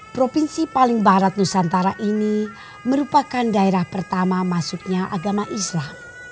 provinsi paling barat nusantara ini merupakan daerah pertama masuknya agama islam